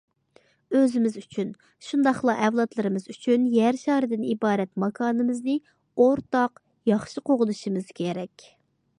ئۆزىمىز ئۈچۈن، شۇنداقلا ئەۋلادلىرىمىز ئۈچۈن يەر شارىدىن ئىبارەت ماكانىمىزنى ئورتاق ياخشى قوغدىشىمىز كېرەك.